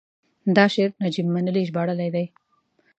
دا شعر نجیب منلي ژباړلی دی: